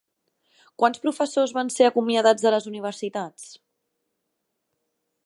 Quants professors van ser acomiadats de les Universitats?